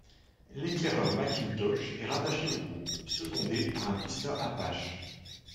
L'éclaireur McIntosh est rattaché au groupe, secondé par un pisteur apache.